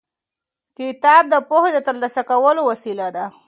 کتاب د پوهې د ترلاسه کولو وسیله ده.